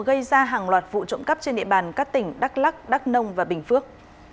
gây ra hàng loạt vụ trộm cắp trên địa bàn các tỉnh đắk lắc đắk nông và bình phước